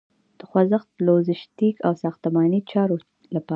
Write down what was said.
د خوځښت، لوژستیک او ساختماني چارو لپاره